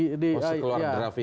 masih keluar draft ini